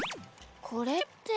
これって。